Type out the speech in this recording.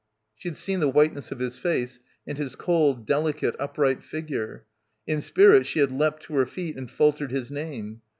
She had seen the whiteness of his face and his cold, delicate, upright figure. In spirit she had leapt to her feet and faltered his name.